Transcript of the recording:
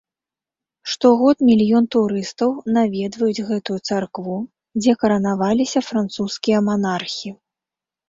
Штогод мільён турыстаў наведваюць гэтую царкву, дзе каранаваліся французскія манархі.